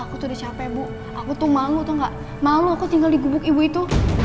aku tuh udah capek bu aku tuh malu atau gak malu aku tinggal di gubuk ibu itu